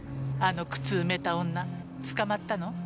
あの靴埋めた女捕まったの？